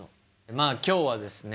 まあ今日はですね